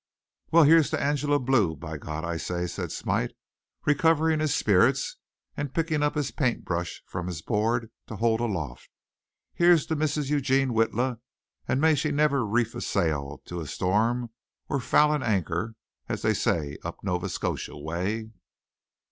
"Well, here's to Angela Blue, by God, say I," said Smite, recovering his spirits and picking up his paint brush from his board to hold aloft. "Here's to Mrs. Eugene Witla, and may she never reef a sail to a storm or foul an anchor, as they say up Nova Scotia way."